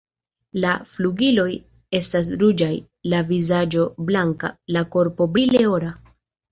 La flugiloj estas ruĝaj, la vizaĝo blanka, la korpo brile ora.